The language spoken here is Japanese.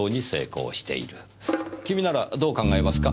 君ならどう考えますか？